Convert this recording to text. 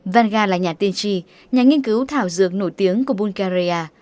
vanga là nhà tiên tri nhà nghiên cứu thảo dược nổi tiếng của bulgaria